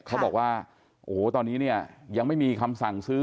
เขาบอกว่าโอ้โหตอนนี้เนี่ยยังไม่มีคำสั่งซื้อ